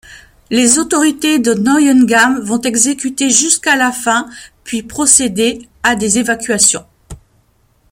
Les autorités de Neuengamme vont exécuter jusqu’à la fin, puis procéder à des évacuations.